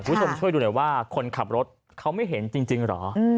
คุณผู้ชมช่วยดูหน่อยว่าคนขับรถเขาไม่เห็นจริงเหรอ